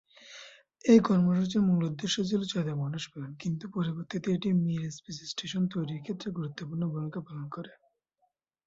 এই কর্মসূচির মূল উদ্দেশ্য ছিল চাঁদে মানুষ প্রেরণ কিন্তু পরবর্তীতে এটি মির স্পেস স্টেশন তৈরির ক্ষেত্রে গুরুত্বপূর্ণ ভূমিকা পালন করে।